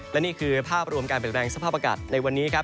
และนี่คือภาพรวมการเปลี่ยนแปลงสภาพอากาศในวันนี้ครับ